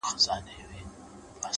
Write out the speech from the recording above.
موخه لرونکی انسان د وخت قدر ښه پېژني!